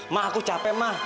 ma aku capek ma